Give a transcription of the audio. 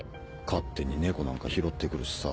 勝手に猫なんか拾ってくるしさ。